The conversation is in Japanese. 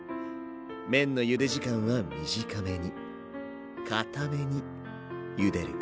麺のゆで時間は短めにかためにゆでること。